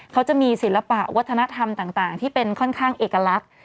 เขาจะมีศิลปะวัฒนธรรมต่างที่เป็นค่อนข้างเอกลักษณ์